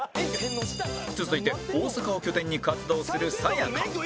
続いて大阪を拠点に活動するさや香